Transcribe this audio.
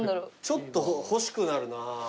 ちょっと欲しくなるな。